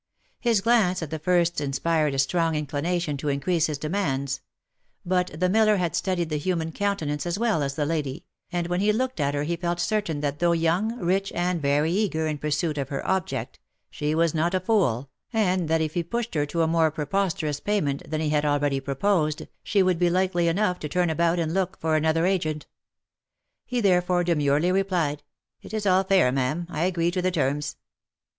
His glance at the first inspired a strong inclination to increase his demands ; but the miller had studied the human counte nance as well as the lady, and when he looked at her he felt certain that though young, rich, and very eager in pursuit of her object, she was not a fool, and that if he pushed her to a more preposterous pay ment than he had already proposed, she would be likely enough to turn about and look for another agent. He therefore demurely replied, " It is all fair, ma'am ; I agree to the terms."